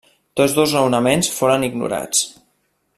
Tots dos raonaments foren ignorats.